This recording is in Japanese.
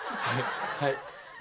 はい。